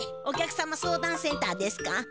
お客様相談センターですか？